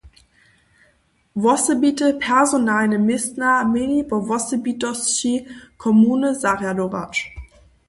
Wosebite personalne městna měli po wosebitosći komuny zarjadować.